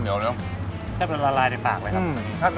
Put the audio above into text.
อร่อยมาก